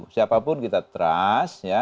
siapapun kita trust ya